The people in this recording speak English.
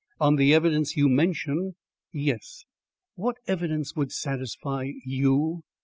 "On the evidence you mention?" "Yes." "What evidence would satisfy YOU?